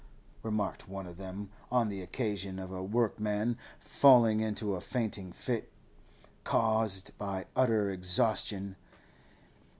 remarked one of them on the occasion of a workman falling into a fainting fit, caused by utter exhaustion.